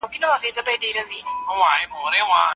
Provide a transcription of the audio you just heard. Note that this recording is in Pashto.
ایا برس کول باید دوه ځله وشي؟